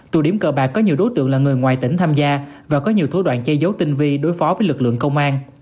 tụ điểm cờ bạc có nhiều đối tượng là người ngoài tỉnh tham gia và có nhiều thối đoạn chê dấu tinh vi đối phó với lực lượng công an